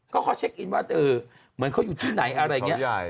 ก็เขาเช็คอินว่าเหมือนเขาอยู่ที่ไหนอะไรอย่างนี้